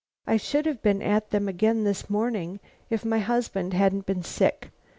I should have been at them again this morning if my husband hadn't been sick.